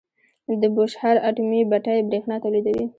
د بوشهر اټومي بټۍ بریښنا تولیدوي.